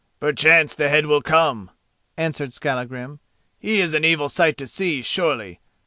"Perchance the head will come," answered Skallagrim. "He is an evil sight to see, surely.